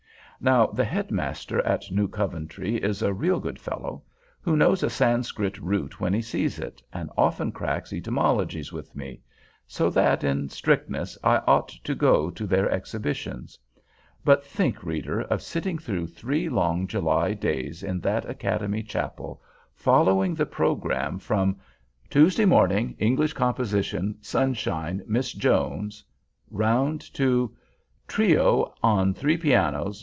Now the head master at New Coventry is a real good fellow, who knows a Sanskrit root when he sees it, and often cracks etymologies with me—so that, in strictness, I ought to go to their exhibitions. But think, reader, of sitting through three long July days in that Academy chapel, following the program from TUESDAY MORNING. ENGLISH COMPOSITION. Sunshine. Miss Jones, round to Trio on Three Pianos.